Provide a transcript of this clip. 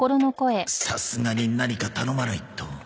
さすがに何か頼まないと